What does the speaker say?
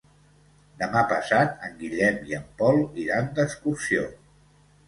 Demà passat en Guillem i en Pol iran d'excursió.